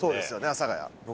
阿佐ヶ谷僕